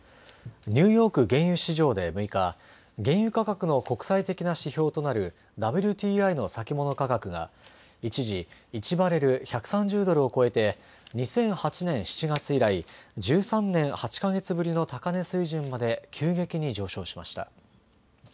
ニューヨーク原油市場で６日、原油価格の国際的な指標となるＷＴＩの先物価格が一時、１バレル１３０ドルを超えて２００８年７月以来、１３年８か月ぶりの高値水準まで急激に上昇しました。